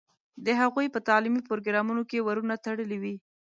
د هغوی په تعلیمي پروګرامونو کې ورونه تړلي وي.